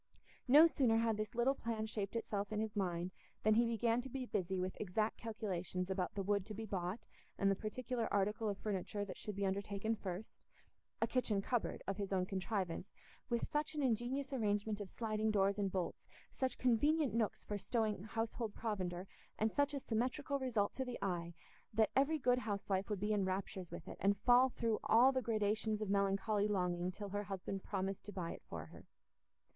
No sooner had this little plan shaped itself in his mind than he began to be busy with exact calculations about the wood to be bought and the particular article of furniture that should be undertaken first—a kitchen cupboard of his own contrivance, with such an ingenious arrangement of sliding doors and bolts, such convenient nooks for stowing household provender, and such a symmetrical result to the eye, that every good housewife would be in raptures with it, and fall through all the gradations of melancholy longing till her husband promised to buy it for her.